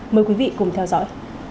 mời quý vị cùng theo dõi